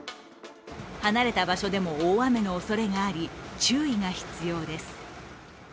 離れた場所でも大雨のおそれがあり、注意が必要です。